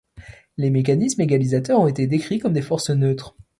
Les mécanismes égalisateurs ont été décrits comme des forces neutres.